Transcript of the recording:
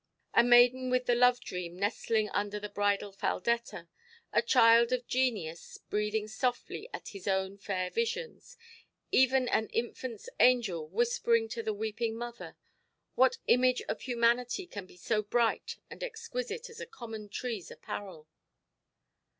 A maiden with the love–dream nestling under the bridal faldetta, a child of genius breathing softly at his own fair visions, even an infantʼs angel whispering to the weeping mother—what image of humanity can be so bright and exquisite as a common treeʼs apparel?